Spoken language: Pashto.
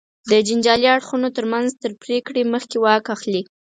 د جنجالي اړخونو تر منځ تر پرېکړې مخکې واک اخلي.